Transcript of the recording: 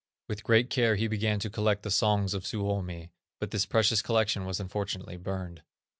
With great care he began to collect the songs of Suomi, but this precious collection was unfortunately burned.